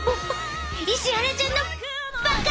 石原ちゃんのばか！